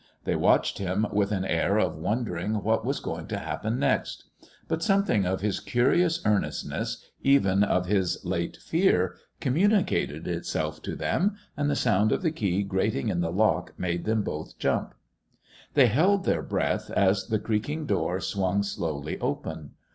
They watched him with an air of wondering what was going to happen next. But something of his curious earnestness, even of his late fear, communicated itself to them, and the sound of the key grating in the lock made them both jump. They held their breath as the creaking door swung slowly open.